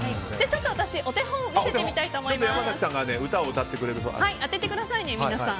ちょっと私、お手本を見せてみたいと思います。